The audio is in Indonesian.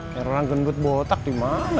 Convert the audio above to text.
yang orang gengut botak dimana coba